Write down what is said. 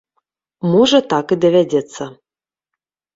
Можа, так і давядзецца.